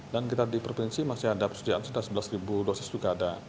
dan kita di provinsi masih ada persediaan sudah sebelas ribu dosis juga ada